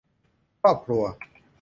ครอบครัว